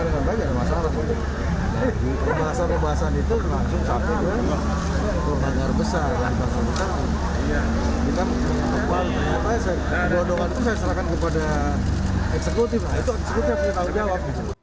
pemerintah provinsi dki jakarta telah menjelaskan bahwa anggaran tersebut telah diselesaikan oleh pemprov dki jakarta